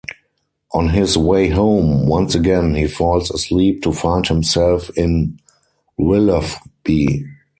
On his way home, once again he falls asleep to find himself in Willoughby.